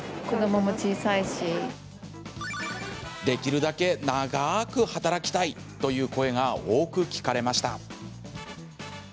できるだけ長く働きたいという声が多く聞かれました。